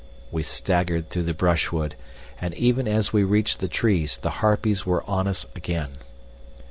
We staggered through the brushwood, and even as we reached the trees the harpies were on us again.